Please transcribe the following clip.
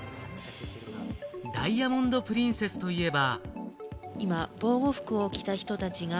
ダイヤモンド・プリンセスといえば。